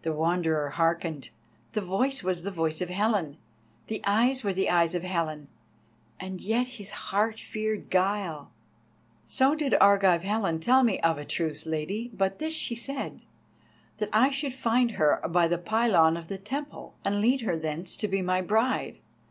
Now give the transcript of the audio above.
The Wanderer hearkened. The voice was the voice of Helen, the eyes were the eyes of Helen, and yet his heart feared guile. "So did Argive Helen tell me of a truth, Lady, but this she said, that I should find her by the pylon of the temple, and lead her thence to be my bride.